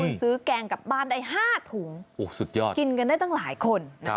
คุณซื้อแกงกลับบ้านได้๕ถุงกินกันได้ตั้งหลายคนนะคะ